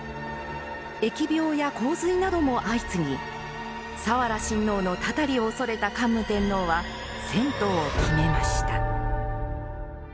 疫病や洪水なども相次ぎ早良親王のたたりを恐れた桓武天皇は、遷都を決めました。